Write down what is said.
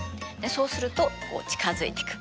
そうすると近づいていく。